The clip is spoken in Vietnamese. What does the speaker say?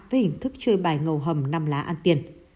với hình thức chơi bài ngầu hầm năm lá an tiền